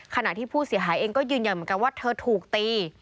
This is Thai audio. ขณะที่ผู้เสียหายเองก็ยืนยันเหมือนกันว่าเธอถูกตี